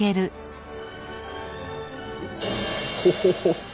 ホホホ！